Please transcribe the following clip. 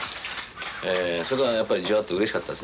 それはやっぱりじわっとうれしかったですね。